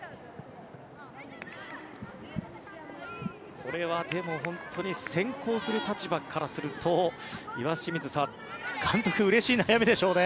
これはでも本当に選考する立場からすると岩清水さん監督はうれしい悩みでしょうね。